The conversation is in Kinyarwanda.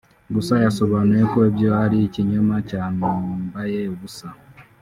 Gusa yasobanuye ko ibyo ari ikinyoma cyambaye ubusa